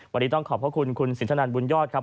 วันนี้ต้องขอบขอบคุณคุณศิษฐนันตร์บุญยอดครับ